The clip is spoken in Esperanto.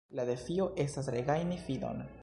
la defio estas regajni fidon”.